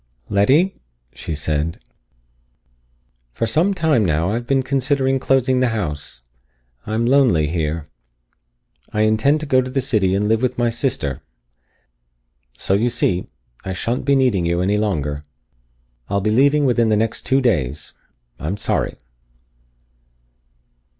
"Letty," she said, "for some time now I have been considering closing the house. I'm lonely here. I intend to go to the city and live with my sister. So, you see, I shan't be needing you any longer. I'll be leaving within the next two days. I'm sorry."